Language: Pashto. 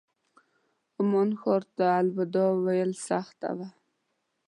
عمان ښار ته الوداع ویل سخته وه.